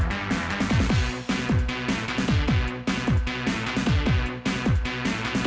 aku ada berubah